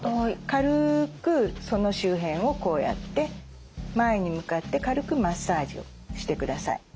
軽くその周辺をこうやって前に向かって軽くマッサージをしてください。